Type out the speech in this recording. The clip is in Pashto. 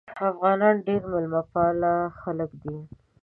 افغانان ډیر میلمه پاله خلک دي.